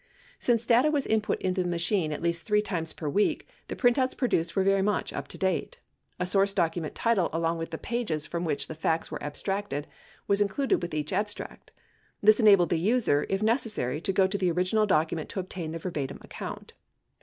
Since data was input into the machine at least 3 times per week, the printouts produced were very much up to date. A source document title along with the pages from which the facts were abstracted was included with each abstract. This enabled the user, if necessary, to go to the original document to obtain the verbatim account.